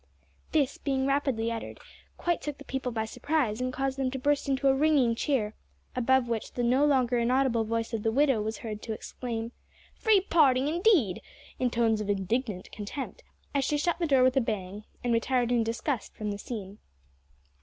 This, being rapidly uttered, quite took the people by surprise, and caused them to burst into a ringing cheer, above which the no longer inaudible voice of the widow was heard to exclaim "Free parding, indeed!" in tones of indignant contempt, as she shut the door with a bang and retired in disgust from the scene.